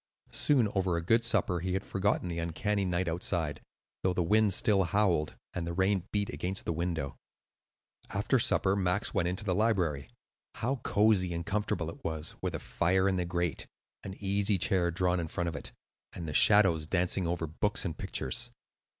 Soon, over a good supper, he had forgotten the uncanny night outside, though the wind still howled and the rain beat against the window. After supper Max went into the library. How cosy and comfortable it was, with a fire in the grate, an easy chair drawn in front of it, and the shadows dancing over books and pictures!